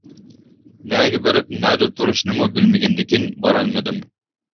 نەگە بېرىپ نەدە تۇرۇشنىمۇ بىلمىگەندىكىن بارالمىدىم.